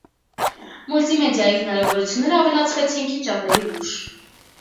Մուլտիմեդիայի հնարավորությունները ավելացվեցին քիչ ավելի ուշ։